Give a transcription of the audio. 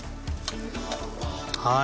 はい。